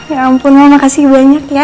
ya ampun terima kasih banyak ya